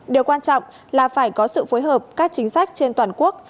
điều quan trọng là phải có sự phối hợp các chính sách trên toàn quốc